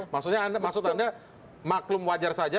maksudnya maklum wajar saja